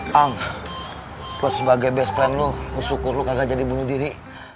bang lu sebagai best friend lu bersyukur lu kagak jadi bunuh diri